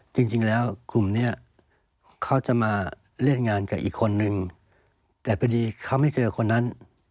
จริงแล้วกลุ่มนี้เขาจะมาเล่นงานกับอีกคนนึงแต่พอดีเขาไม่เจอคนนั้น